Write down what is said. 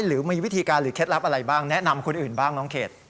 หรือมีวิธีการหรือเคล็ดลับอะไรบ้างแนะนำคนอื่นบ้างน้องเขต